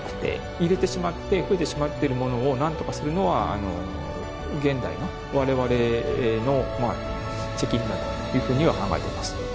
入れてしまって増えてしまっているものをなんとかするのは現代の我々の責任だというふうには考えています。